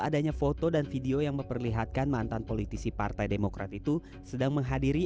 adanya foto dan video yang memperlihatkan mantan politisi partai demokrat itu sedang menghadiri